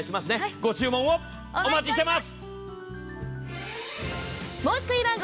ご注文をお待ちしてます！